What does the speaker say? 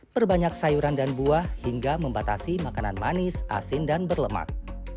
perbanyak sayuran dan buah hingga membatasi makanan manis asin dan berlemak